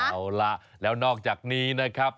เอาล่ะแล้วนอกจากนี้นะครับ